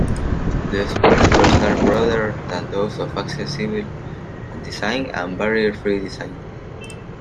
These principles are broader than those of accessible design and barrier-free design.